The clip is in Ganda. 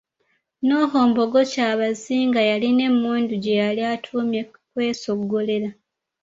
Noho Mbogo Kyabasinga yalina emmundu gyeyali atuumye Kwesoggolera.